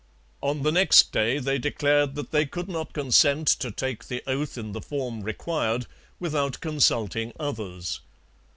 On the next day they declared that they could not consent to take the oath in the form required without consulting others.